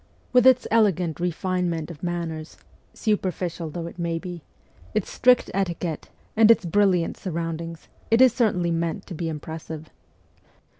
With its elegant refinement of manners superficial though it may be its strict etiquette, and its brilliant surroundings, it is certainly meant to be impressive.